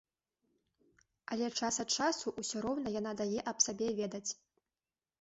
Але час ад часу ўсё роўна яна дае аб сабе ведаць.